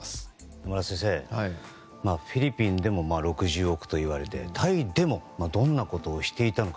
野村先生、フィリピンでも６０億といわれてタイでもどんなことをしていたのか。